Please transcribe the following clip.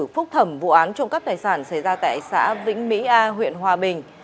phúc thẩm vụ án trộm cắp tài sản xảy ra tại xã vĩnh mỹ a huyện hòa bình